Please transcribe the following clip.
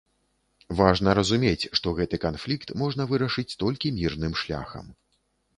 Важна разумець, што гэты канфлікт можна вырашыць толькі мірным шляхам.